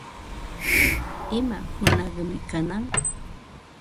¿Ima hunaqmi kanan?